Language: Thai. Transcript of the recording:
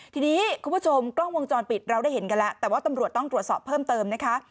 ทีนี้คุณผู้ชมกล้องวงจรปิดเราได้เห็นกันแล้วแต่ว่าตำรวจต้องตรวจสอบเพิ่มเติมนะคะ